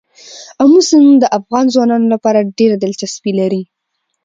آمو سیند د افغان ځوانانو لپاره ډېره دلچسپي لري.